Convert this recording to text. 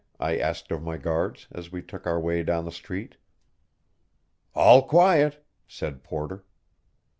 I asked of my guards, as we took our way down the street. "All quiet," said Porter.